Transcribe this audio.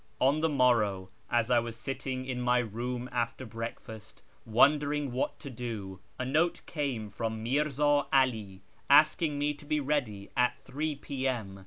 On the morrow, as I was sitting in my room after break fast wondering what to do, a note came from Mi'rza 'Ali asking me to be ready at 3 p.m.